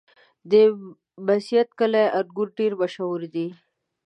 د میست کلي انګور ډېر مشهور دي.